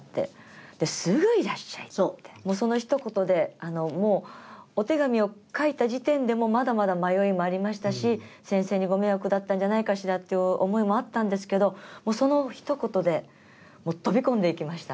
もうそのひと言でもうお手紙を書いた時点でもまだまだ迷いもありましたし先生にご迷惑だったんじゃないかしらという思いもあったんですけどもうそのひと言で飛び込んでいきました。